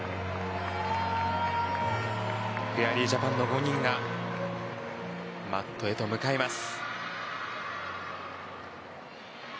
フェアリージャパンの５人がマットへと向かいます。